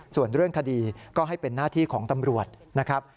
ส่วนเรื่องคดีก็ให้เป็นหน้าที่ของตำรวจนะครับ